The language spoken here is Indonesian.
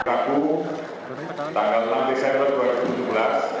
tanggal enam desember dua ribu tujuh belas